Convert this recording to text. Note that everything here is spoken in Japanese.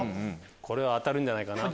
これは当たるんじゃないかな。